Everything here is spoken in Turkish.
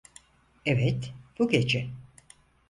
Evet, bu gece.